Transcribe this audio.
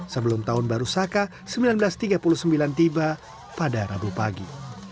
sebelum tahun baru saka seribu sembilan ratus tiga puluh sembilan tiba pada rabu pagi